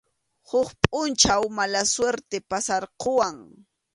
Huk pʼunchaw mala suerte pasarquwan.